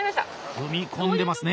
踏み込んでますね？